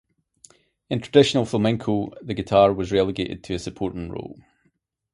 In traditional flamenco, the guitar was relegated to a supporting role.